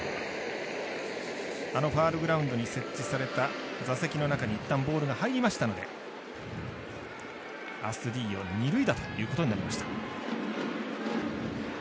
ファウルグラウンドに設置された座席の中にボールがいったん入りましたのでアストゥディーヨ、二塁打ということになりました。